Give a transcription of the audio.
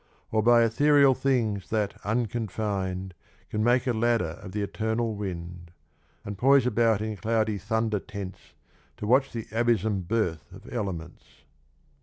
Or by ethereal things that, unconfin'd, Can make a ladder of the eternal wind. And poise about in cloudy thunder tents To watch the abysm birth of elements.